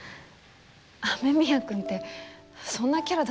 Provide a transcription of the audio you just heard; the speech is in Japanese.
雨宮くんってそんなキャラだったっけ？